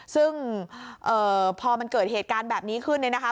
ซึ่งพอมันเกิดเหตุการณ์แบบนี้ขึ้นเนี่ยนะคะ